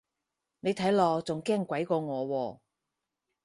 你睇落仲驚鬼過我喎